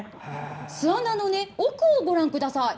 巣穴の奥をご覧ください。